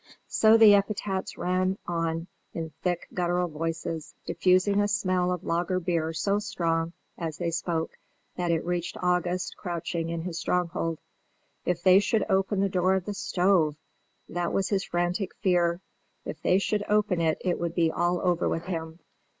So the epithets ran on in thick guttural voices, diffusing a smell of lager beer so strong as they spoke that it reached August crouching in his stronghold. If they should open the door of the stove! That was his frantic fear. If they should open it, it would be all over with him.